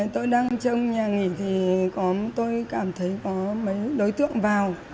tôi đang trong nhà nghỉ thì tôi cảm thấy có mấy đối tượng vào